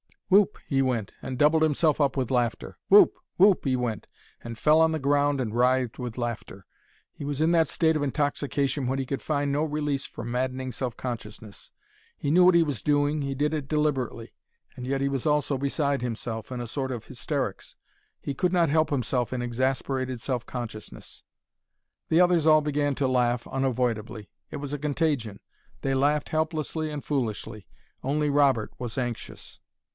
Whoop! he went, and doubled himself up with laughter. Whoop! Whoop! he went, and fell on the ground and writhed with laughter. He was in that state of intoxication when he could find no release from maddening self consciousness. He knew what he was doing, he did it deliberately. And yet he was also beside himself, in a sort of hysterics. He could not help himself in exasperated self consciousness. The others all began to laugh, unavoidably. It was a contagion. They laughed helplessly and foolishly. Only Robert was anxious.